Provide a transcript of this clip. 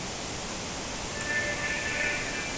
ټولنپوهنه د روښانه فکر ډېوه ده.